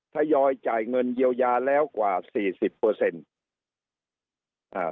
ทยอยจ่ายเงินเยียวยาแล้วกว่าสี่สิบเปอร์เซ็นต์อ่า